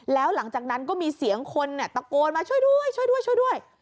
แล้วหลังจากนั้นก็มีเสียงคนตะโกนมาช่วยด้วยช่วยด้วยช่วยด้วย